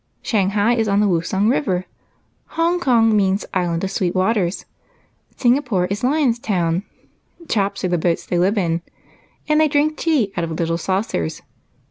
Shanghai is on the Woosung River. Hong Kong means ' Island of sweet waters.' Singapore is 'Lion's Town.' 'Chops' are the boats they live in ; and they drink tea out of little saucers.